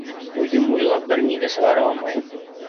Үҙем уйлап бер ни ҙә сығара алманым.